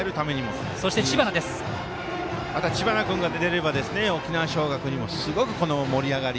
知花君が出れば沖縄尚学にすごく盛り上がり